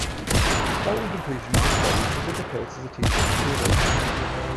Following completion of his studies he took a post as a teacher in Hattula.